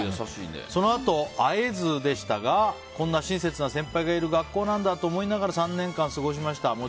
そのあと会えずでしたがこんな親切な先輩がいる学校なんだと思いながら３年間、過ごしました。